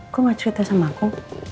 gue gak cerita sama aku